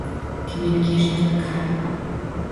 Communications were cut.